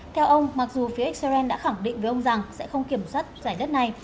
theo ông mặc dù phía israel đã khẳng định với ông rằng sẽ không kiểm soát giải đất này